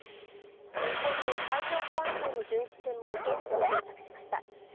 日本の海上保安庁の巡視船も現地に到着しました。